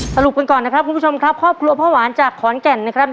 สรุปกันก่อนนะครับคุณผู้ชมครับครอบครัวพ่อหวานจากขอนแก่นนะครับ